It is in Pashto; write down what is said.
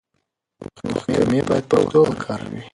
محکمې بايد پښتو وکاروي.